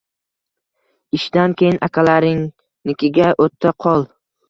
Ishdan keyin akalaringnikiga o`ta qol